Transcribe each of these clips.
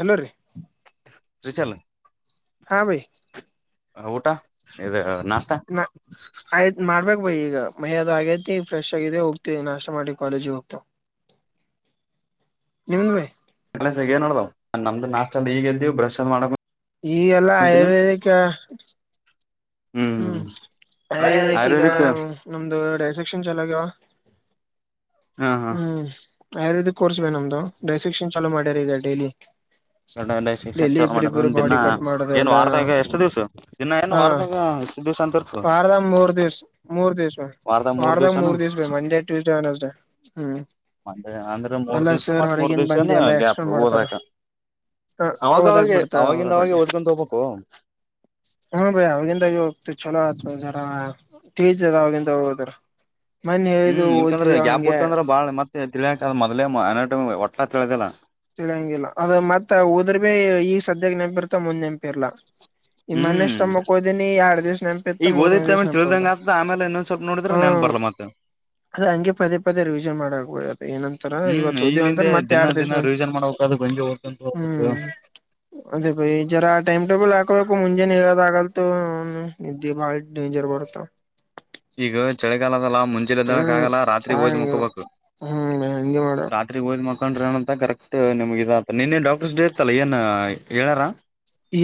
ಅಲ್ಲ ರೀ ರಿೀ ಚಲ್ಲ ಹಾ ಭೈ ಊಟ ಇದು ನಾಸ್ತಾ ಹ ಬ ಈಗ ಮೈದ ಆಗೈತಿ ಫ್ರೆಶ್ ಆಗಿದ ಹೋಗ್ತವಿ ನಾಶ ಮಾಡಿ ಕಾಲೇಜಿಗೆ ಹೋಗ್ತಾವ ನಿಮೇ ಏನ್ ಮಾಡಡ್ದಾವ ನಮ್ದ ನಾಸ್ ಅಾ ಈಗ ಎ ಇದ್ದವು ಬ್ರಶ್ ಮಾಡಕ ಈಗೆಲ್ಲ ಆಯುರ್ವೇದಿಕ ಹ್ಮ್ ಆಯುರ್ವೇದಕ್ ಈಗ ಆಯುರ್ವೇದಿಕ್ ನಮ್ದು ಡೈಸೆಕ್ಷನ್ ಚಲಾಗಿ್ಯವ ಹಾ ಹಾ ಹ್ಮ್ ಆಯುರ್ವೇದಿಕ್ ಕೋರ್ಸ್ ಬ ನಮ್ದು ಡೈಸಿಕ್ಷನ್ ಚಾಲೂ ಮಾಡ್ಯಾರ ಇ ಡೈಲಿ ಗ ಡೈಲಿ ಶಿಕ್ಷ ಮಾಡ ನ ಇಬ್ರಿಬ್ರು ದಿನಾ ಬಾಡಿ ಕಟ್ ಮಾಡೋದು ಏನ್ ಎಲ್ಲಾ ವಾರದಾಗ ಎಷ್ಟು ದಿವ್ಸ ದಿನ ಏನ್ ವಾರದಾಗ ದಿವ್ಸ ಅಂತ ಇರ್ತದ ಬಾರದ ಮೂರು ದಿವಸ ಮೂರು ದಿವಸ ವಾರದ ಮೂರ್ ವಾರದಾಗ ದಿವ್ಸನ ಮೂರು ದಿವಸ ಭ ಮಂಡೇ ಟ್ಯೂಸ್ಡೇ ನಸ್ಡೇ ಹ್ಮ್ ಅಂದ್ರೆ ಮೂರ್ ಅಲ್ಲ ದಿವ್ಸ ಸರ್ ಮತ್ ಮೂರ್ ಹೊರಗಿಂದ ದಿವ್ಸನ ಬಂದ ಎಲ್ಲ ಎಕ್ಸ್ಪ್ ಗ್ಯಾಪ್ ಮಾಡ್ತಾರ ಓದಾಕ ಹ ಅವಾಗವಾಗ ಹದಾಗಬಿಡ್ತಾರ ಅವದ ಅವಾಗಿಂದ ಅವಾಗ ಬಗ್ಗೆ ಓದ್ಕೊಂತ ಹೋಗ್ಬೇಕು ಹ್ಮ ಭಯ ಅವವಾಗಿಂದಾಗಿ ಹೋಗ್ತ ಚಲೋ ಆ ಜರ ಟಿವ ಜದವಾಗಿಂದ ಹೋಗೋದರ ಹ್ಮ್ ಇಲ್ಕಂದ್ರೆ ಯ್ಯಾಬ್ ಬುಟ್ಟಿ ಅಂದ್ರ ಬಾಳ ಮತ್ತೆ ತಿಳಿಯಾಕ ಅದ ಮೊದಲೇ ಒಟ್ಟಾ ತಿಳದಿಲ್ಲಾ ತಿಳಿಯಂಗಿಲ್ಲ ಅದು ಮತ್ತ ಹದ್ರ ಭಿ ಈಗ ಸದ್ಯಕ್ಕೆ ನೆನಪಿರ್ತ ಮುಂದ್ ನೆನಪಿರ್ಲಾ ಈ ಮನೆ ಹ್ಮ್ ಇಷ್ಟ ಮಕ್ಕೋದೀನಿ ಎರಡ್ ದಿವ್ಸ ನೆನಪಿ ಇತ್ತ ಈಗ ಮೂರ್ನೇ ದಿವ್ಸ ಓದಿತ್ತೇನ್ ನೆನಪಿರ್ದ ಹ ಬರ್ಲ ಮಾತ ಅದ ಹಂಗೆ ಪದೇ ಪದೇ ರಿವಿಜನ್ ಮಾಡಕಬೆ ಏನಂತಾರ ಹ್ಮ್ ಇವತ್ತು ಅಂತ ಈಗ್ಲಿಂದೆ ಮತ್ತೆ ದಿನ ಎರಡ್ ದಿವಸ ದಿನ ರಿವಿಷನ್ ಮಾಡ್ಬೇಕ ಅದು ಹಂಗೆ ಓದ್ಕೊಂತ ಹೋಗ್ಬೇಕು ಹ್ಮ್ ಅದ ಜರ ಮಟೇಬಲ್ ಆ ಹಕೋಬೇಕು ಮುಂಜಾನ ಹೇಳದ ಆಗಲ್ತ ಇದ್ದೆ ಬಾಳ ಡೇಂಜರ್ ಬರುತ್ತ ಈಗ ಚಳಿಗಾಲದಲ್ಲ ಮುಂಚೆ್ದಳಕ್ ಹ್ಮ್ ಆಗಲ್ಲ ರಾತ್ರಿ ಓದ್ ಆಗಂಗಿಲ್ಲ ಮುಕೋಬೇಕು ಹ್ಮ್ ಹಂಗೆ ಮಾಡ ರಾತ್ರಿ ಓದ್ ಮುಕ್ಕ ಹಂತ ಕರೆಕ್ಟ್ ನಿಮಗ ನಿನ್ನ ಡಾಕ್ಟರ್ಸ್ ಡೇ ಇತ್ತಲ್ಲ ಏನ್ ಹೇಳ್ಯಾರ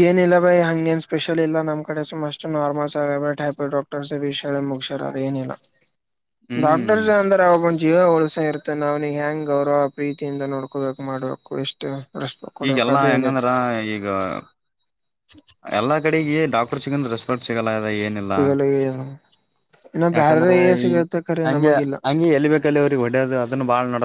ಏನಿಲ್ಲಲ್ಲ ಬೈ ಹಂಗ ನ್ ಸ್ಪೆಷಲ್ ಇಲ್ಲ ನಮ್ಮ ಕಡೆ ಸುಷ್ಟು ನಾರಲ್ಸ್ ಬ ಟೈಪೋಡ್ ಡಾಕ್ಟರ್ಸ್ ಮುಗಾರ ಅದ ಏನಿಲ್ಲ ಹ್ಮ್ ಡಾಕ್ಟರ್ಸ್ ಅಂದ್ರಬ ಜೀವ ಉಳಸ ಇರುತ್ತೆ ನಾ್ನಿಗೆ ಹೆಂಗೆ ಗೌರವ ಪ್ರೀತಿಯಿಂದ ನೋಡ್ಕೋಬೇಕು ಮಾಡ್ಬೇಕು ಇಷ್ಟು ಈಗೆಲ್ಲಾ ಹೆಂಗಂದ್ರ ಈಗ ಎಲ್ಲಾ ಕಡೆಗ ಡಾಕ್ಟರ್ ಸಿಗಂದ ರೆಸ್ಪಾನ್ಟ್ ಸಿಗಲ್ಲ ಅ ಏನಿಲ್ಲ ಸಿಗಲ್ಲ ಏನು ಇನ್ನ ಯಾಕಂದ್ರೆ ಬ್ಯಾರೆ ಈ ಸಿಗತ್ತೆ ಕರೆ ಹಂಗೆ ನಮಗಿಲ್ಲ ಹಂಗಗೆ ಎಲ್ಲಿ ಬೇಕಲ್ಲಿ ಅವ್ರಿಗೆ ಹೊಡೇದು ಅದನ್ನ ಬಾಳ್ ನ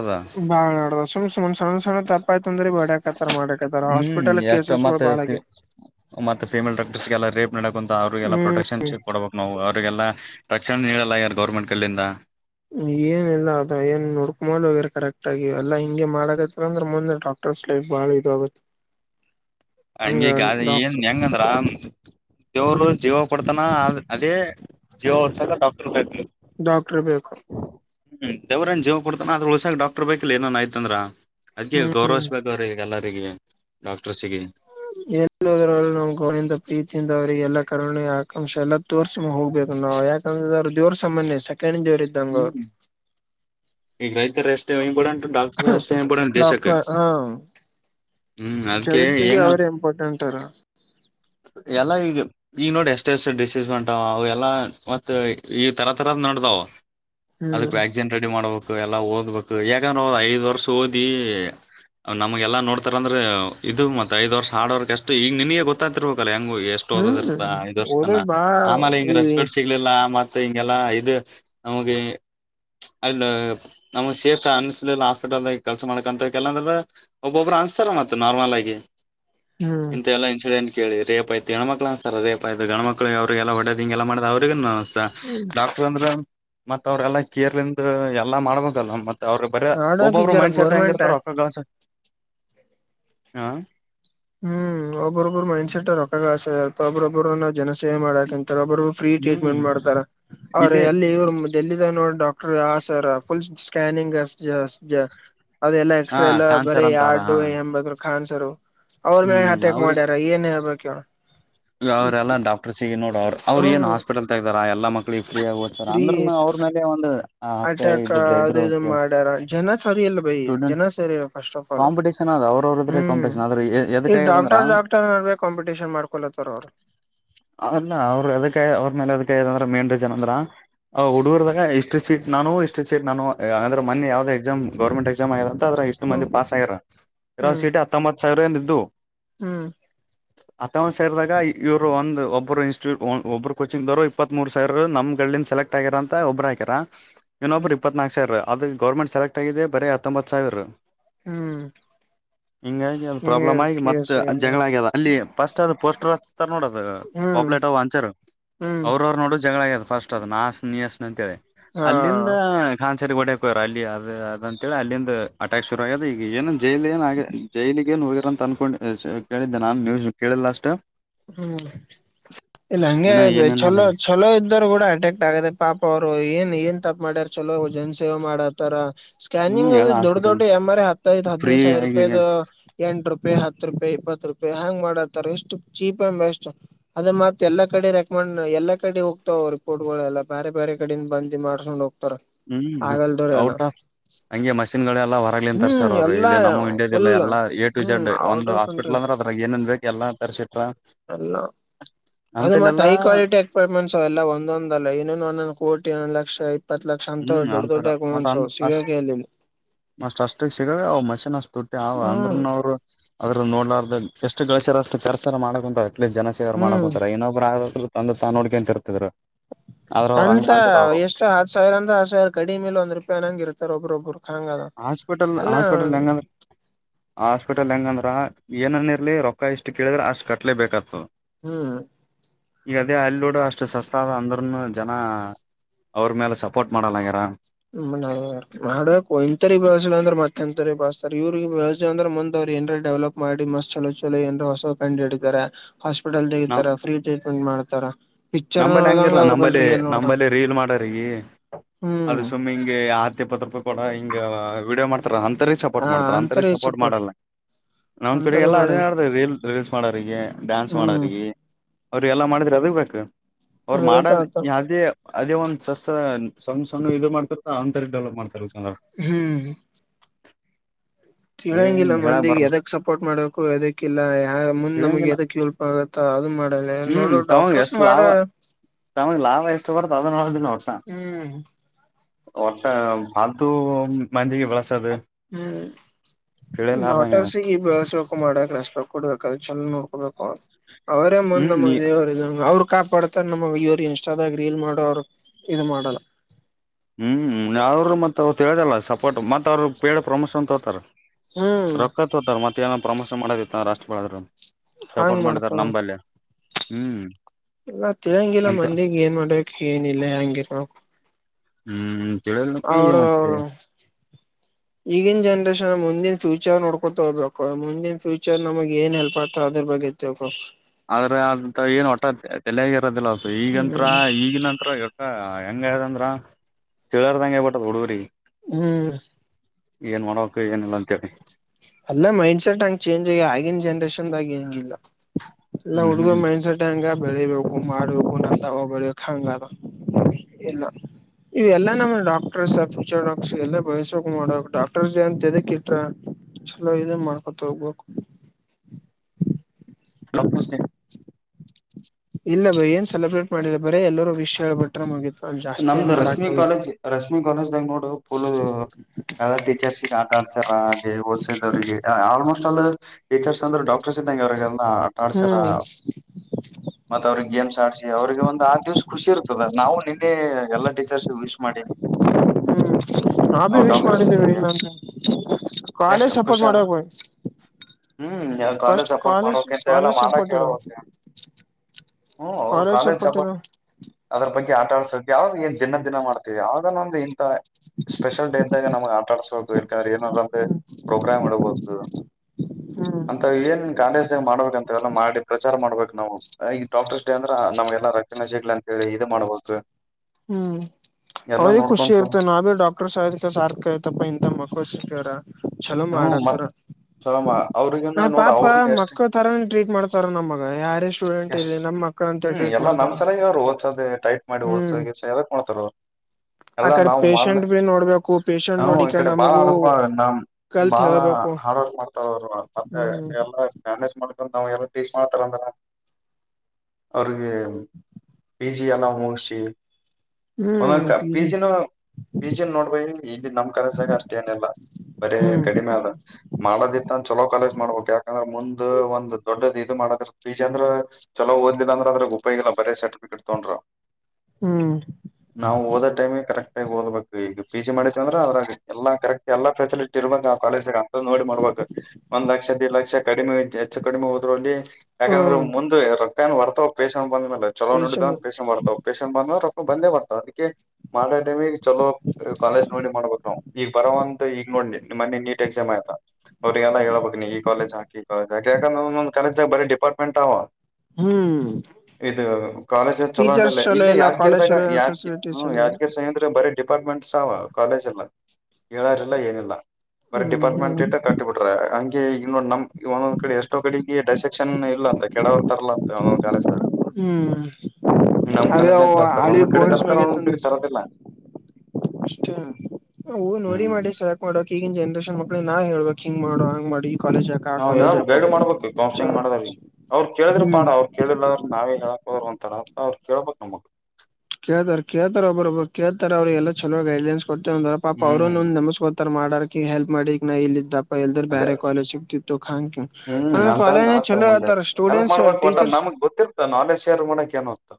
ಬಾಳ ನಡ ಸು್ ಸ್ ಸಣ್ಣ ಸಣ್ಣ ತಪ್ಪ ಆಯತ್ ಅಂದ್ರೆ ಬಡ್ಯಾಕತ್ತತರ್ ಮಾಡಾಕತ್ತರ ಹಾಸ್ಪಿಟಲ್ ಕೇಸಸ್ ಬಾಳ ಆಗ್ಯಾವ ಮತ್ತೆ ಫೀಮೇಲ್ ಡಾಕ್ಟರ್ಸ್ಲ್ಲ ರೇಪ್ ನಡಕ್ ಅಂತ ಅವರು ಎಲ್ಲಾ ಹ್ಮ್ ಪ್ರೊಟೆಕ್ಷನ್ ಕೊಡಬೇಕು ನಾವು ಅವರಿಗೆಲ್ಲಾ ರಕ್ಷಣೆ ನೀಡಲ್ಲ ಯಾರು ಗೌರ್ಮೆಂಟ್ ಕಲ್ಲಿಿಂದ ಏನ ಇಿಲ್ಲ ಅದ ಏನ್ ನುರ್ಕ ಮಲ್ ಹೋಗರಿ ಕರೆಕ್ಟ್ ಆಗ ಎಲ್ಲ ಹಿಂಗೆ ಮಾಡಕತ್ ಅಂದ್ರೆ ಮುಂದೆ ಡಾಕ್ ಟ್ ಲೈಫ್ ಬಾಳ ಇದು ಆಗುತ್ತೆ ಹಂಗಿಗಾದ ಏನ್ ಹೆಂಗಂದ್ರಾಮ ದೇವರು ಜೀವ ಕೊಡ್ತಾನ ಅ ಅದೇ ಜೀವ ಉಲಸಕ್ ಡಾಕ್ಟರ್ ಬೇಕ ಡಾಕ್ಟರ್ ಬೇಕು ಹ್ಮ ದೇವ್ರಏ ಜೀವ ಕೊಡ್ತಾನ ಅದ್ರ ಉಳ್ಸ ಡಕ್ಟರ್ ಬೇಕಿಲ್ಲ ಏನದ್ರ ಅದ್ಕ ಹ್ಮ್ ಗೌರವಿಸಬೇಕ ಅವ್ರೀ ಎಲ್ಲಗ ಡಾಕ್ಟರ್ಸಿಗೆ ಎಲ್ಲಿದರಲ್ಲೂ ನಮ್ ಗೌನಿಂದ ಪ್ರೀತಿಯಿಂದ ಅವರಿಗೆ ಎಲ್ಲಾ ಕರುಣೆಯ ಆಕಾಂಕ್ಷ ಎಲ್ಲಾ ತೋರ್ಸ ಹ ಹೋಗ್ಬೇಕು ನಾವು ಯಾಕಂದ್ರ ಅವ್ರರು ದೇವರ ಸಾಮಾನ್ಯ ಸೆಕಂಡ್ ದವರ್ ಇದಂಗ ಅವ್ರು ಹ್ಮ್ ಈಗ ರೈತ್ರು ಎಷ್ಟು ಇಂಪಾರ್ಟೆಂಟ್ ಡಾಕ್ಟರಿ ಇಂಪಾರ್ಟೆಂಟ್ ಡಾಕ್ಟರ್ ದೇಶಕ್ಕ ಹಾ ಹ್ಮ್ ಅದಕ್ಕೆ ಜಗತ್ತಿಗೆ ಹೆಂಗ ಅವ್ರೇ ಇಂಪಾರ್ಟೆಂಟ್ ಅವ್ರ ಎಲ್ಲ ಈಗ ಈಗ ನೋಡಿ ಎಷ್ಟ ಎಷ್ಟ್ ಡ್ರಶಸ್ ಬಂಟಾವ ಅವ ಎಲ್ಲಾ ಮತ್ತತ್ ಈ ತರ ತರದ್ ನೋಡ್ದಾವ ಅದಕ್ ಹ್ಮ್ ವ್ಯಾಕ್ಸಿನ್ ರೆಡಿ ಮಾಡ್ಬೇಕು ಎಲ್ಲಾ ಓದ್ಬೇಕು ಯಾಕಂದ್ರೆ್ ಐದ್ ವರ್ಷ ಓದಿ ನಮ್ಗೆಲ್ಲ ನೋಡ್ತಾರ ಅಂದ್ರೆ ಇದದುಗ್ ಮತ್ತತ್ ಐದ ವರ್ಷ ಆಡ್ವರ್ಗೆ ಅಷ್ಟ ಈಗ ನಿನಗ ಗೊತ್ತಾ್ತಿರ್ಬೇಕಲ ನಮಗೂ ಎಷ್ಟು ಓದಿದ್ರು ಐದು ಹ್ಮ್ ವರ್ಷತಾನಾ ಓದೋದ್ ಬಾಳ ಆಮೇಲೆ ಹಿಂಗ್ ಈ ರೆಸ್ಪೆಟ್ ಸಿಗ್ಲಿಲ್ಲ ಮತ್ತ ಮತ್ತೆ ಹಿಂಗೆಲ್ಲಾ ಇದು ನಮಗೆ ಅಲ್ಲ ನಮ್ ಸೇಫ್ ಅನಿಸಿಲಿಲ್ಲ ಹಾಸ್ಪಿಟಲ್ದ್ದಾಗೆ ಕೆಲ್ಸ ಮಾಡ್ಕಂತ ಕೆಲ್ಲಂದ್ರೆ ಒಬ್ಬೊಬ್ಬ್ರ ಅನಿಸ್ತಾಲ್ಲ ಮತ್ತೆ ನಾರ್ಮಲ್ ಆಗಿ ಹ್ಮ್ ಇಂತಾವೆಲ್ಲ ಇನ್ಸಿಡೆಂಟ್ ಕೇಳಿ ರೇಪ್ ಆಯ್ತು ಹೆಣ್ಣು ಮಕ್ಳು ಅನ್ನಿತಾರಾ ರೇಪ್ ಆಯ್ತು ಗಂಡು ಮಕ್ಕಳಿಗೆ ಒಳ್ಳೇದು ಅವ್ರರಿಗೆಲ್ಲ ಹೊಡದ ಹಿಂಗೆಲ್ಲ ಮಾಡ್ದ ಅವ್ರಿಗೂ ಡಾಕ್ಟರ್ ಅಂದ್ರೆ ಮತ್ ಅವ್ರೆಲ್ಲಾ ಕೇರ್ಲಿಂದ ಎಲ್ಲಾ ಮಾಡ್ಬೇಕಲ್ವಾ ಮತ್ ಅವ್ರಿಗೆ ಬಾರಿ ನಾಡಾಕ ಒಬ್ಬೊಬ್ರು ಜರ ಮೈಂಡ್ ಸೆಟ್ ಗೋರ್ಮೆಂಟ್ ಹೆಂಗಿರ್ತಾರ ಹಾ ಹ್ಮ್ ಒಬ್ಬ್ರೊಬ್ಬರು ಮೈಂಡ್ಸೆಟ್ ರೊಕ್ಕಾಗ ಆಸೆತ್ತ ಒಬ್ರೊಬ್ಬರು ಜನಸೇವೆ ಮಾಡಕಂತ ಒಬ್ಬರು ಫ್ರೀ ಹ್ಮ್ ಟ್ರೀಟ್ಮೆಂಟ್ ಮಾಡ್ತಾರ ಅವ್ರ ಇಲ್ಲಿ ಅಲ್ಲಿ ಇವರು ಎಲ್ಲಿದರು ನೋಡಿ ಡಾಕ್ಟರ್ ಹಾ ಸರ್ ಫುಲ್ ಸ್ಕ್ಯಾನಿಂಗ್ ಹಾ ಅದ ಎಲ್ಲಾ ಹಾ ಎಕ್ಸ್ರ ಎಲ್ಲ ಕಾನ್ಸರ್ ಬರೀ ಅಂತಾರ ಹ ಆಡು ಏನಾ ಬೇಕಾರೂ ಕಣ್ಣಿಸರು ಅವ್ರದೇ ಹ್ಮ್ ಹಟ್ಯಾಕ್ ಮಾಡ್ಯಾರ ಏನ್ ಹೇಳಬೇಕು ಹೇಳು ಅವ್ರೆಲ್ಲ ಡಾಕ್ಟರ್ ಸಿ ನೋಡ ಅವ್ ಅವರು ಏನ್ ಹ್ಮ್ ಹಾಸ್ಪಿಟಲ್ ತಗ್ದಾರ ಎಲ್ಲ ಮಕ್ಕಳ ಮಳ ಫ್ರೀಯಾಗ ಓದಿಸರ ಫ್ರೀ ಅಂದ್ರನು ಅವ್ರ ಮೇಲೆ ಒಂದು ಅಟ್ಯಾಕ್ ಅದಿಕ್ಕೆ ಅದು ಇದುದ್ರು ಇದು ಮಾಡ್ಯಾರ ಜನ ಸರಿ ಇಲ್ಲ ಬೈ ಸ್ಟೂಡೆಂಟ್ ಜನ ಸರಿ ಇಲ್ಲ ಫಸ್ಟ್ ಆಫ್ ಆಲ್ ಕಾಂಪಿಟೇಷನ್ ಅದು ಅವ್ರವ್ರದ್ರೆ ಕಾಂಪಿಟೇಷನ್ ಆದ್ರೆ ಎದಕ್ಕ ಅದಂದ್ರ ಕಾಪಟೇಷನ್ ಮಾಡ ಅಲ್ಲ ಅವ್ರ ಎದಕಾಯ ಅವ್ರ ಮೇಲೆ ಯದಕಗದ ಅಂದ್ರೆ ಮೇನ್ ರೀಸನ್ ಅಂದ್ರ ಅ ಹುಡುಗರ್ದಾಗ ಇಷ್ಟು ಸೀಟ್ ನಾನು ಇಷ್ಟು ಸೀಟ್ ನಾನು ಅಂದ್ರ ಮೊನ್ನೆ ಯಾವ್ದ ಎಕ್ಸಾಮ್ ಗೌರ್ಮೆಂಟ್ ಎಕ್ಸಾಮ್ ಆಯದ ಅದ್ರಲ್ಲಿ ಇಷ್ಟು ಮಂದಿ ಹ್ಮ್ ಪಾಸ್ ಆಗರ ಜನರಲ್ ಹ್ಮ್ ಸೀಟ ಹತ್ತೊಂಬತ್ ಸಾವಿರ ಏನ ಇದಿದ್ದು ಹ್ಮ್ ಇತ್ತ ಆವಾ ಸೇರದಾಗ ಇವರು ಒಂದು ಒಬ್ರು ಇಸ್ಟಿಟ್ಯೂಟ್ ಒಬ್ರು ಕೋಚಿಂಗ್ವರು ಇಪ್ಪತ್ ಮೂರು ಸಾವರು ನಮ್ಗಳಿಂದ ಸೆಲೆಕ್ಟ್ ಗಾರ ಅಂತ ಒಬ್ಬ್ರ ಹಕಾರ ಹ್ಮ್ ಇನ್ನೊಬ್ರು ಇಪ್ಪತ್ನಾಲ್ಕ ಸಾವಿರ ಅದು ಗವರ್ನಮೆಂಟ್ ಸೆಲೆಕ್ಟ್ ಆಗಿದೆ ಬರಿ ಹತ್ತೊಂಬತ್ತು ಸಾವರ ಹ್ಮ್ ಹಿಂಗಾಗಿ ಅಲ್ಲಿ ಪ್ರಾಬ್ಲಮ್ ಆಗಿ ಮತ್ತ ಜಗಳ ಹ್ಮ್ ಆಗ್ಯದ ಅಲ್ಲಿ ಅಷ್ಟಟ್ ಅದು ಪೋಸ್ಟರ್ ಹಚ್ತ ನೋಡದು ಹ್ಮ್ ಪಾಪುಲೇಟ್ ಅವ್ ಅಂಚರ್ ಹ್ಮ್ ಅವ್ರವರು ನೋಡು ಜಗಳ ಆಗ್ಯದ ಫಸ್ಟ್ ಅದು ನಾ ಹಚ್ಚಿ ನೀ ಹಚ್ಚೋನ ಅಂತ ಹೇಳಿ ಹಾ ಅಲ್ಲಿಂದ ಹೊಡಿಯೋಕೆ ಹೋಗರ ಅದ ಅಂತ ಹೇಳಿ ಅಲ್ಲಿಂದ ಅಟ್ಯಾಕ್ ಶುರು ಆಗದ ಈಗ ಏನಾದ ಜೈಲ ಏನು ಆಗ ಜೈಲಗೇನು ಹೋಗ್ಯರ ಅಂತ ಅನ್ಕೊಂಡು ಕೇಳಿದ್ದೆ ನಾನು ನ್ಯೂಸ್ ಕೇಳಿಲ್ಲ ಅಷ್ಟಟ್ ಹ್ಮ್ ಇಲ್ಲ ಹಂಗೆ ಇನ್ನ ಏನೇನ ಅದ. ಚಲೋ ಚಲೋ ಇದ್ದರು ಕೂಡ ಅಟ್ಯಾಕ್ಟ್ ಆಗದೆ ಪಾಪ ಅವ್ರು ಏನ್ ಏನ್ ತಪ್ಪ ಮಾಡ್ಯಾರ ಚಲೋ ಜನ ಸೇವೆ ಮಾಡತರ ಹ್ಮ್ ಸ್ಕ್ಯಾನಿಂಗ್ದು ಎಲ್ಲ ದೊಡ್ಡ ಹಾಸ್ಪಿಟಲ್ ದೊಡ್ಡ ಎಂ ಆರ್ ಐ ಹತ್ತೈದು ಫ್ರೀ ಹದಿನೈದು ಸಾವಿರ ಆಗಿ ರೂಪಾಯಿ ಅದು ಎಂಟು ರೂಪಾಯಿ ಹತ್ತು ರೂಪಾಯಿ ಇಪ್ಪತ್ತು ರೂಪಾಯಿ ಹೆಂಗ್ ಮಾಡತಾರೆ ಎಷ್ಟು ಚೀಪ್ ಅಂಡ್ ಬೆಸ್ಟ್ ಅದ ಮತ್ತ ಎಲ್ಲಾ ಕಡೆ ರೆಕಮೆಂಡ್ ಎಲ್ಲ ಕಡೆ ಹೋಗ್ತಾವ ರಿಪೋರ್ಟ್ ಗಳು ಎಲ್ಲಾ ಬೇರೆ ಬೇರೆ ಕಡೆಯಿಂದ ಬಂದಿ ಮಾಡಿಸಿಕೊಂಡು ಹೋಗ ಹ್ಮ್ ಔಟ ಆಫ್ ಹಂಗೆ ಮಷಿನ್ ಗಳೆಲ್ಲಾ ಹೊರಗ್ಲಿಂತರ್ ಹ್ಮ್ ಸರ್ ಅವ್ರು ಎಲ್ಲಾ ಇಲ್ಲಿ ನಮ್ಮ ಇಂಡಿಯಾದಲ್ಲ ಫುಲ್ ಎಲ್ಲಾ A to hmm Z out ಒಂದು ಆಫ್ ಹಾಸ್ಪಿಟಲ್ ಅದ್ರಾಗ ಏನನ್ ಬೇಕ ಎಲ್ಲ ತರ್ಸಿ ಇಟ್ಟರಾ ಎಲ್ಲಾ ಅದು ಮತ್ತತ್ ಹೈ ಕ್ವಾಲಿಟಿ ಎಕ್ವಿಪ್ಮೆಂಸ್ ಎಲ್ಲ ಒಂದೊಂದಲ್ಲ ಇನ್ನೊಂದ ಒಂದೊಂದು ಕೋಟಿ ಒಂದೊಂದು ಲಕ್ಷ ಆಯತು ಇಪ್ಪತ್ತು ಲಕ್ಷ ಅಂತ ಹ್ಮ್ ದೊಡ್ಡ ದೊಡ್ಡ ಈಕ್ವಪಿಮೆಂಟ್ಸ್ ಆವಾ ಸಿಗೋಕಿಲ್ಲ ಮಷ್ಟ ಅಷ್ಟಕ್ ಸಿಗಾವ ಅವ ಮಷಿನ್ ಅಷ್ಟ ತುಟ್ಟಿ ಆ ಹ್ಮ್ ಅಂದ್ರನ ಅವರು ಅದ್ರ ನೋಡ್ಲಾರ್ದು ಎಷ್ಟು ಗಳಿಚಾರಷ್ಟು ಅಷ್ಟು ಮಾಡಕಂಂತಾರೆ ಅಲೀಸ್ಟ್ ಜನ ಸೇವರ್ ಹ್ಮ್ ಮಾಡಕಂತಾರೆ ಇನ್ನೊಬ್ಬರು ತಂದ ತಾವು ನೋಡಿಕೊಂತ ಇರ್ತಿದರು ಅಂತ ಎಷ್ಟು ಹತ್ತು ಸಾವಿರ ಅಂದ ಹತ್ ಸಾವಿರ ಕಡಿ ಮೇಲೆ ಒಂದ್ ರೂಪಾಯಿ ಅನಂಗ ಇರ್ತಾರೆ ಒಬ್ಬ್ರೊಬ್ರು ಹಾಸ್ಪಿಟಲ್ ಹಾಸ್ಪಿಟಲ್ ಹೆಂಗಂದ್ರ ಹಾಸ್ಪಿಟಲ್ ಹೆಂಗಂದ್ರ ಏನ ಇರ್ಲಿ ರೊಕ್ಕ ಇಷ್ಟು ಕೇಳಿದ್ರೆ ಅಷ್ಟ್ ಕಟ್ಲೆೇಬೇಕಾಗ್ತದೆ ಹ್ಮ್ ಈಗ ಅದೇ ಅಲ್ಲಿೋಡ ಅಷ್ಟುಸಸ್ತ ಆದ ಅಂದ್ರನು ಜನ ಅವ್ರ ಮೇಲೆ ಸಪೋರ್ಟ್ ಮಾಡಲ್ಲಂಗ್ಯಾರ ಮಾಡ್ಬೇಕು ಇಂತರಿಗೆ ಬಳಸಂದ್ರ ಇಲ್ ಮತ್ಎಂತರಿಗೆ ಬಳಸ್ತಾರೆ ಇವ್ರಿಗೆ ಬೆಳಸ ಅಂದ್ರೆ ಮುಂದ್ ಏನ್ರೆ ಡೆವಲಪ್ ಮಾಡಿ ಮಸ್ತ್ ಚಲೋ ಚಲೋ ಎಂದರು ಹೊಸದು ಕಂಡು ಹಿಡಿದಿದ್ದಾರೆ. ಹಾಸ್ಪಿಟಲ್ ನಾವ್ ತೆಗಿತಾರ ಫ್ರೀ ಟ್ರೀಟ್ಮೆಂಟ್ ಮಾಡ್ತಾರ. ಪಿಕ್ಚರ್ ನಂಬಲ್ಲಿ ನೋಡ್ದಂಗ ಹಂಗಿರ್ಲ ಅವ್ರ ಬಲ್ ನಂಬಲ್ಲಿ ರಿಯಲ್ ನೋಡ್ದಂಗ ನಂಬಲ್ಲಿ ರೀಲ್ ಮಾಡರಿಗಿ ಹ್ಮ್ ಅದು ಸ್ಮ್ಮಿಂಮ್ ಹಗೆ ಆ ಹತ್ತ ಇಪ್ಪತ್ತು ರೂಪಾಯಿ ಕಡ ಹಿಂಗ ವಿಡಿಯೋ ಮಾಡ್ತಾರ ಅಂತರಿ ಸಪೋರ್ಟ್ ಆ ಮಾಡ್ತಾರ ಅಂತರಿ ಅಂತರಿಗ್ ಸಪೋರ್ಟ್ ಮಾಡಲ್ಲ. ನಮ್ ಅಂತರ ಕಡೆಗೆಲ್ಲಾ ಮಾಡ ಅದೇ ಅದ ರೀಲ್ ರೀಲ್ಸ್ ಮಾಡೋರಿಗೆ ಡ್ಯಾನ್ಸ್ ಹ್ಮ್ ಮಾಡೋರಿಗೆ. ಅವ್ರ ಎಲ್ಲ ಮಾಡಿದ್ರೆ ಅದ ಬೇಕು ಅವ್ರ ಮಾಡ ಅದಕ್ಕ ಆತ ಯಾವ್ದೇ. ಅದೇ ಒಂದ್ ಸಸ ಸಣ್ಣ ಸಣ್ಣ ಇದು ಮಾಡ್ತತ ಅವ್ ತರ ಡೆವಲಪ್ ಮಾಡ್ತಾರ ಇದು. ಹ್ಮ್ ಏನ್ ತಿಳಂಗಿಲ್ಲ ಹೇಳ ಮಂದಿಗ್ ಬರ ಎದಕ್ ಸಪೋರ್ಟ್ ಮಾಡಕು ಎದಕ್ ಇಲ್ಲ ಯ ಮುಂದ್ ನಮಗ್ ಹೇಳಂಗಿಲ್ಲ ಎದಕ್ ಯಲ್ಪ್ ಆಗತ್ತ. ಯಾವ್ ಮಾಡಲ್ಲ ಹ್ಮ್ ನೋಡು ತಮಗ್ ಡಾಕ್ಟರ್ಸ್ ಎಷ್ಟು ಲಾಭ ಮಾಡು. ತಮಗ್ ಲಾಭ ಎಷ್ಟು ಬರುತ್ತ ಅದನ್ನ ನೋಡ್ದಿಲ್ಲ ಒಟ್ಟ. ಹ್ಮ್ ಒಟ್ಟ ಫಾಲ್ತು ಮಂದಿಗೆ ಬೆಳಸದು. ಹ್ಮ್ ಡಾಕ್ಟರ್ಸಿಗೆ ಬೆಳಸ್ಬೇಕು ಮಾಡಕ್ ಅಷ್ಟಬೇಕು ಕೊಡ್ಬೇಕ ಅದು ಚೆಂದ ಮ ಕೊಡ್ಬೇಕು ಅವರೇ ಮುಂದ್ ಹ್ಮ್ ನೀ ನಮಗ್ ದೇವರು ಇದ ಅವ್ರ ಕಾಪಾಡ್ತಾರೆ ನಮಗ ಇವ್ರ ಇನ್ಸ್ಟಾದಾಗ ರೀಲ್ ಮಾಡೋ ಅವರು ಇದು ಮಾಡಲ್ಲ. ಮ ಅವರು ತಿಳದಲ್ಲ ಸಪೋರ್ಟ್ ಮತ್ತ ಅವ್ರು ಪೇಡ್ ಪ್ರಮೋಷನ್ ತೋತಾರ ಹ್ಮ್ ರೊಕ್ಕ ತೋತಾರ ಮತ್ತೆ. ಪ್ರಮೋಷನ್ ಮಾಡದಿತ್ತ ರಾಷ್ಟ್ರ ಬಳದರು ಹಾಂಗ್ ಸಪೋರ್ಟ್ ಮಾಡಿದಾರ ನಂಬಲ್ಲಿ ಹ್ಮ್ ಇಲ್ಲ ತಿಳಂಗಿಲ್ಲ ಅಂತ ಮಂದಿಗ್ ಏನ್ ಮಾಡ್ಬೇಕ್ ಏನ ಇಲ್ಲ ಹೆಂಗಿರಬಕ್ ಹ್ಮ್ ಕೆೇಳಲ್ಲ ಕ ಮತ್ತೆ. ಈಗನ್ ಜನ್ರೇಷನ್ ಮುಂದಿನ ಫ್ಯೂಚರ್ ನೋಡ್ಕೊತ ಹೋಗ್ಬೇಕು ಮುಂದಿನ ಫ್ಯೂಚರ್ ನಮಗ್ ಏನ್ ಹೆಲ್ಪ್ ಆಗ್ತಾರೆ ಅದರ ಹಗನಿ ತಿಳ್ಕೊ ಆದ್ರೆ ಅಂತ ಏನ್ ವಟ್ಟ ತಲೆಗ್ ಇರೋದಿಲ್ಲ ಅದು ಈಗಂತ್ರ ಹ್ಮ್ ಈಗಿನಂತ್ರ ಎ ಹೆಂಗದಂದ್ರ ತಿಳರ್ದಂಗೆಬಟ್ಟದ ಹುಡುಗರಿಗೆ ಹ್ಮ್ ಏನ್ ಮಾಡಬಕ್ ಏನಿಲ್ಲ ಅಂತ ಹೇಳಿ. ಅಲ್ಲ ಮೈಂಡ್ಸೆಟ್ ಹಂಗ ಚೇಂಜ್ ಆಗ ಆಗಿನ ಜನ್ರೇಷನ್ದಾಗ ಏನ ಇಲ್ಲ. ಎಲ್ಲಾ ಹ್ಮ್ ಹುಡುಗರ ಮೈಂಡ್ಸೆಟ್ ಹಂಗ ಬೆಳಿಬೇಕು ಮಾಡ್ಬೇಕು ನತಾವ ಬೆಳಿಬೇಕ ಹಂಗ ಅದ ಎಲ್ಲಾ ಇವೆಲ್ಲಾ ನಮ್ ಡಾಕ್ಟರ್ಸ್ ಫೀಚರ್ ಡಾಕ್ಟರ್ಸ್ ಎಲ್ಲ ಬಯಸಕ್ ಮಾಡಕ್ ಡಾಕ್ಟರ್ಸ್ ಜಯಂತಿ ಯದಕ ಇಟ್ರ ಚಲೋ ಇದ ಮಾಡ್ಕೊತಾ ಹೋಗ್ಬೇಕು. ಲಕ್ಪ್ಪು ಸಿ ಇಲ್ಲ ಬೈ ಏನ್ ಸೆಲೆಬ್ರೇಟ್ ಮಾಡಿಲ್ಲ ಬರಿ ಎಲ್ಲರೂ ವಿಷಯೇಳ್ಬಟ್ಟು ನಮ್ದು ರಶ್ಮಿ ಕಾಲೇಜ್ ರಶ್ಮಿ ಕಾಲೇಜ್ದಾಗ ನೋಡು ಫುಲ್ ಅವರ ಟೀಚರ್ಸಿಗೆ ಆಟಾಡ್ಸರ ಓಸ್ರರಿಗೆ ಆಲ್ಮೋಸ್ಟ್ ಅಲ್ ಟೀಚರ್ಸ್ ಅಂದ್ರೆ ಡಾಕ್ಟರ್ಸ್ ಇದ್ದಂಗೆ ಅವ್ರ ಹ ಆಟ ಅಡ್ಸೆರ ಹ್ಮ್ ಮತ್ತ ಅವ್ರಿಗೆ ಗೇಮ್ಸ್ ಆಡ್ಸಿ ಅವ್ರಿಗೆ ಒಂದ ಆರ ದಿವ್ಸ ಖುಷಿ ಇರ್ತದೆ ನಾವು ನಿನ್ನೇ ಎಲ್ಲಾ ಟೀಚರ್ಸ್ ವಿಶ್ ಮಾಡಿನಿ ಹ್ಮ್ ನಾ ಭಿ ವಿಶ್ ಮಾಡಿದ್ದೇವಿ ಇಲ್ಲಂತ ಕಾಲೇಜ ಎಷ್ಟ್ ಸಪೋರ್ಟ್ ಖುಷಿ ಆದ್ರ ಮಾಡಕ ಹ್ಮ್ ಕಾಲೇಜ್ ಸಪೋರ್ಟ್ ಮಾಡೋಕಂತ ಇಂತವ ಎಲ್ಲ ಕಾಲೇಜ್ ಮಾಡಕ ಸಪೋರ್ಟ್ ಇರೋ ಹೇಳಬಕ ಹ್ಮ್ ಕಾಲೇಜ್ ಸಪೋರ್ಟ್ ಅದ್ರ ಬಗ್ಗೆ ಆಟ ಆಡ್ಸ ಯಾವ್ದ ಏನ್ ದಿನ ದಿನ ಮಾಡ್ತೀವಿ ಯಾವಾಗನ ಒಂದ ಇಂತ ಸ್ಪೆಷಲ್ ಡೆ ಇದ್ದಾಗ ನಮಗೆ ಆಟ ಆಡ್ಸ ಏನಾರ್ ನಂದು ಪ್ರೋಗ್ರಾಮ ಇಡಬೇಕು. ಹ್ಮ್ ಅಂತವ ಏನ್ ಕಾಂಗ್ರೇಜ ಮಾಡ್ಬೇಕಂತ ಎಲ್ಲ ಮಾಡಿ ಪ್ರಚಾರ ಮಾಡ್ಬೇಕ. ನಾವು ಈಗ ಡಾಕ್ಟರ್ಸ್ ಡೇ ಅಂದ್ರ ನಮ್ಗೆಲ್ಲ ರಕ್ಷಣಾ ಶೈಲಿ ಅಂತೇಳಿ ಇದ ಮಾಡಬೇಕು ಹ್ಮ್ ಅವ್ರಿ ಖುಷಿ ಇರ್ತ ನಾ ಭಿ ಡಾಕ್ಟರ್ ಸ ಸಾರ್ಕತಪ್ಪ ಇಂತ ಮಕ್ಕಳು ಸಿಕ್ಕ್ಯಾರ. ಚಲೋ ಹ್ಮ ಮಾಡತ್ತರ. ಮತ್ ಚಲೋ ನಾ ಅವ್ರಿಗನು ನೋಡ ಪಾಪ ಅವ್ರನ್ನ ಎಷ್ಟ್ ಮಕ್ಕಳ ತರ ಟ್ರೀಟ್ ಮಾಡ್ತಾರ ನಮ್ಮಗ ಯಾರೇ ಸ್ಟೂಡೆಂಟ್ ಇರ್ಲಿ ನಮ್ ಮಕ್ಕಳ ಅಂತ ಟ್ರೀಟ್ ಎಲ್ಲ ನಮ್ ಮಾಡ್ತಾರ ಸಲ ಯವ್ರು ಓದ್ಸೋೇ ಟೈಟ್ ಮಾಡಿ ಓದಸೋ ಹ್ಮ್ ಎ ಮಾಡ್ತಾರ ಅವರು ಆ ಎಲ್ಲಾ ಕಡೆ ನವು ಮಾಡಡ್ಲ ಪೇಶಂಟ್ ಬಿ ನೋಡ್ಬೇಕು ಪೇಶಂಟ್ ಹ್ಮ ನೋಡಿ ಈ ಕಡೆ ಬಾಳ ನಮಗೂ ಅಕ ನ ಕಲ್ತ್ ಬಾಳ ಹೇಳ್ಬೇಕು ಹಾರ್ಡ್ ವರ್ಕ್ ಮಾಡ್ತಾವರು ಮತ್ತೆ ಹ್ಮ್ ಎಲ್ಲ ಮ್ಯಾನೇಜ್ ಮಾಡ ಂದವ ಯಲ್ಲೋ ಪಸ ಮಾ ತರಂದಾನ ಅವ್ರಿಗೆ ಪಿ ಜಿ ಅನ್ನ ಮುಗಸಿ ಹ್ಮ್ ಒನತ್ಯ ಪಿ ಜಿ ನು ಪೀ ಜಿ ನ್ ನೋಡ್ಬೇ ಈಗ ನಮ್ ಕಾಲೇಜ್ ಅಷ್ಟ ಏನಿಲ್ಲ ಬರೇ ಹ್ಮ್ ಅ ಮಾಡೋದಿತ್ತ ಅಂತ ಚಲೋ ಕಲೇಜ್ ಮಾಡ್ಬೇಕು ಯಾಕಂದ್ರೆ ಮುಂದ ಒಂದು ದೊಡ್ ಇದು ಮಾಡದ ಬಜ ಅಂದ್ರ ಚಲೋ ಓದ್ಿಲ್ಲಂದ್ರ ಅದ್ರಗ್ ಉಪಯೋಗ ಇಿಲ್ಲ ಬೇ ಸರ್ಟಿಫಿಕೇಟ್ ತೊೊಂಡ್ರ ಹ್ಮ್ ನಾವು ಓದ ಟೈಮ್ ಕರೆಕ್ಟ್ ಆಗಿ ಓದ್ಬೇಕು ಈಗ ಪಿ ಜಿ ಮಾಡಿತಿವ ಅಂದ್ರ ಅದ್ರಾಗ ಎಲ್ಲ ಕರೆಕ್ಟ್ ಎಲ್ಲ ಫೆಸಿಲಿಟಿ ಇರ್ಬೇಕ ಆ ಕಾಲೇಜಗ ನೋಡಿ ಮಾಡ್ಬೇಕ್ ಒಂದ್ ಲಕ್ಷ ದೇಡ್ ಲಕ್ಷ ಕಡಿಮೆ ಹೆಚ್ಚು ಕಡಿಮೆ ಹೋದ್ರೂ ಅಲ್ಲಿ ಯಾಕಂದ್ರೆ ಹ್ಮ್ ಮುಂದ ರಕ್ತನ್ ಬರ್ತವ ಪೇಶನ್ ಬಂದ ಮೇ ಚಲೋ ಪೇಶಂಟ್ ನೋಡಿದವ್ ಪೇೇಶನ್್ ಬರ್ತಾವ ಪೇೇಶನ್ ಬಂದ ರಕ್ ಬಂದೇ ಬರ್ತ ಅದಕ್ಕೆ ಮಾಡಾಟಮ ಚಲೋ ಕಾಲೇಜ್ ನೋಡಿ ಮಾಡ್ಬೇಕು ನಾವು ಈಗ ಬರಂತ ಈಗ ನ ಬಾನಿ ಮನಿ ಎಕ್ಸಾಮ್ ಆಯತ ಅವ್ರಿಗೆಲ್ಲ ಹ ಹೇಳಳ್ಬೇಕಕ್ ನೀ ಈಾಲಜ್ ಹಾಕ ಈ ಕಾಲಜ ಯಾಕಂದ್ರಂದ ಕಾಲಜ ಬೇ ಡಿಪಾರ್ಟ್ಮೆಂಟ್ ಅವ ಹ್ಮ್ ಇದು ಕಾಲೇಜ್ ಚಲೋ ಟೀಚರ್ಸ್ ಉಂಟಲ್ಲ ಇಲ್ಲ ಕಾಲೇಜ್ ಯಾಗಿರ್ದಾಗ ಚಲೋ ಇಲ್ಲ ಯಾಗಿ ಫೆಸಿಲಿಟಿ ಹ್ಮ ಚಲೋ ಯ ಇಲ್ಲ ಅಕ ಸಹಂದ್ರೆ ಬರೀ ಡಿಪಾರ್ಟ್ಮೆಂಟ್ಸ್ ಕಾಲೇಜ್ಲ್ಲ ಹೇಳಾರಿಲ್ಲ ಏನಿಲ್ಲ ಬರ ಹ್ಮ್ ಡಿಪಾರ್ಟ್ಮೆಂಟ್ ಟ ಕಟ್ಟಿ ಬಿಟರ ಹಂಗೆ ಇಲ್ಲಿ ನೋಡ್ ನಮ ಒಂದೊಂದ್ ಕಡೆ ಎಷ್ಟು ಕಡೆಿಗೆ ಡೈಸೆಕ್ಷನ್ ಇಲ್ಲ ಅಂತ ಕೆಡವರು ತರಲ್ಲ ಅಂತ ಒಂದೊಂದು ಕಾಲೇಜ ಹ್ಮ್ ನಮ್ ಅದೇವು ಕೆಲೇಜಾದಾಗ್ ತರ್ತಾರ ಹಳಿ ಒಂದ ಕಡೆ ಬೋನ್ಸ್ ತರ್ತಾರ ಮ್ಯಾಗೆ ಅವ ತಂದ ಕಡೆ ತರೋದಿಲ್ಲ ಅಷ್ಟೇ ಹೂ ನೋಡಿ ಹ್ಮ್ ಮಾಡಿ ಸ್ಯಾಕ್ ಮಾಡಕ ಈಗಿನ ಜನ್ರೇಷನ್ ಮ ನಾ ಹೇಬೇಕ ಹಿಂಗ ಮಾಡ ಹಂಗ ಮಾಡಿ ನಾವ್ ಯಾವು ಗೈಡ್ ಮಾಡ್ಬೇಕು ಕೌನ್ಸಿಲಿಂಗ್ ಚಲೋ ಮಾಡದ್ರ ಅವ್ರು ಕೇಳಿದ್ರರು ಹ್ಮ್ ಪಾಡ ಅವ್ರು ಕೇಳಿಲ್ಲಾದ್ರರು ನಾವೇ ಹೇಳಕ್ರ್ ಒಂತರ ಅವ್ರು ಕೇಳ್ಬೇಕಕ್ ನ ಮಗ ಕೇಳ್ತಾರೆ ಕೇಳ್ತಾರ ಒಬ್ಬರೊಬ್ಬ ಕೇತಾರ ಅವ್ರರು ಎಲ್ಲ ಚಲೋ ಗೈಡ್ಲೈನ್ಸ್ ಕೊಟ್ಟಂದ ಪಾ ಹ್ಮ್ ಅವ್ರನ್ನ ಒಂದ್ ನಮಸ್ಕೋತಾರ ಮಾಡಾರಕಿ ಹೆಲ್ಪ್ ಮಾಡಿಕ್ ನ ಇಲ್ಲ ಇದಿದ್ದ ಎಲ್ದ ಅದೇ ಬೇರೆ ಕಾಲೇಜ್ ಸಿಗ್ತಿತ್ತು ಹ್ಮ್ ಖಾಂಗಂದ್ರ ಅಂತ ಕಾಲೇಜ ಚಲೋ ಸ್ಟೂಡೆಂಟ್ಸ್ ಟೀಚರ್ಸ್ ಗೊತ್ತಿರ್ ನಾಲೆಜ್ ಶೇರ್ ಮಾಡೋಕ ಏನ ಆ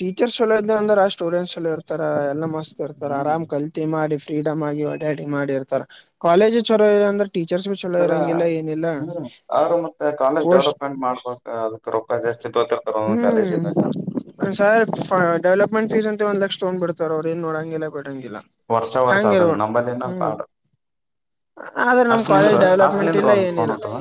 ಟೀಚರ್ಸ್ ಎಲ್ಲ ಇದ ಅಂದ್ರ ಸ್ಟೂಡೆಂಟ್ಸ್ ಎಲ್ಲ ಇರ್ತಾರ ಎಲ್ಲಾ ಮಸ್ತ್ ಇರ್ತಾರ ಹ್ಮ್ ಆರಾಮ್ ಕಲ್ತಿ ಮಾಡಿ ಫ್ರೀಡಮ್ ಆಗಿ ಒಡ್ಯಡಿ ಮಾಡಿಇರ್ತಾರ ಕಾಲೇಜ್ ಚರೋ ಇ ಅಂದ್ರೆ ಟೀಚರ್ಸ್ ಭಿ ಚಲೋ ಅ ಇರಂಗಿಲ್ಲ ಏನಿಲ್ಲ ಹ್ಮ್ ಅವರು ಮತ್ತೆ ಕಾಲೇಜ್ ಪೋಸ್ಟ್ ಡೆವಲಪ್ಮೆಂಟ್ ಮಾಡ್ಬೇಕ ಅದಕ್ ರೊಕ್ಕ ಸಿಪೋಟಿತ್ತಾರ್ ಕಾಲೇಜ ಇದಾಗ ಒ ಸರ್ ಡೆವಪೆಂಟ್ ಫೀಸ್ ಅಂತ ಒಂದ ಲಕ್ಷ ತಗೊಂಡ್ ಬಿಡ್ತಾರೆ ಅವ್ ಏನ್ ನೋ ಹಂಗಲ್ಲಾಕ್ ಬಿ ಅಲ್ಲ ವರ್ಷ ವರ್ಷ ಖಂಗ ಅದನ್ನ ಇರಬೇಕು ನಂಬಲ್ಲಿನ ಪಾಡ ಆದ್ರೆ ನಮ್ ಅಷ್ಟ್ ಕಾಲೇಜ್ ನಿಂದ್ರು ಅಷ್ಟ್ ಡೆವಲಪ್ಮೆಂಟ್ ನಿಂದ್ರು ಇಲ್ಲ ಒಂದ್ ಫೋನ್ ಏನಿಲ್ಲ ಹೊಂಟದ.